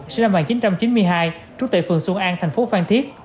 sinh năm một nghìn chín trăm chín mươi hai trú tại phường xuân an thành phố phan thiết